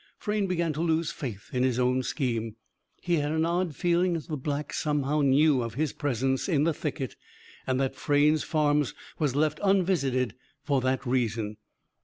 Frayne began to lose faith in his own scheme. He had an odd feeling that the Black somehow knew of his presence in the thicket and that Frayne's Farms was left unvisited for that reason.